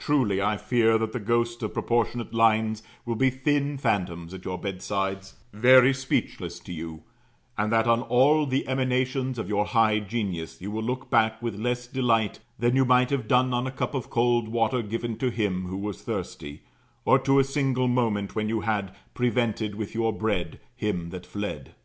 Truly, I fear that the ghosts of proportionate lines will be thin phantoms at your bedsides very speechless to you; and that on all the emanations of your high genius you will look back with less delight than you might have done on a cup of cold water given to him who was thirsty, or to a single moment when you had "prevented with your bread him that fled."